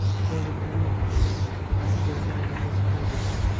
Ever Given kemasi "jarima maydonchasi"ni tark etdi